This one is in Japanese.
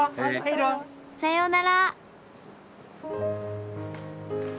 さようなら。